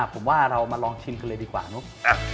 ผมว่าเรามาลองชินกันเลยดีกว่านะครับ